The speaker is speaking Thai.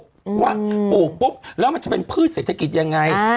ว่าปลูกปุ๊บแล้วมันจะเป็นพืชเศรษฐกิจยังไง